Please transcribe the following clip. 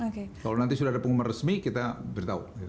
kalau nanti sudah ada pengumuman resmi kita beritahu